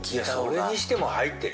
それにしても入ってるよ。